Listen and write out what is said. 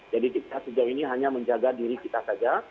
jadi kita sejauh ini hanya menjaga diri kita saja